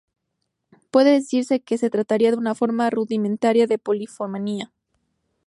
Puede decirse que se trataría de una forma rudimentaria de polifonía.